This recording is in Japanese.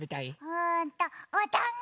うんとおだんご！